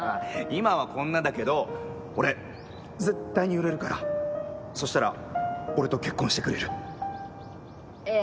今はこんなだけど俺、絶対に売れるからそしたら、俺と結婚してくれる？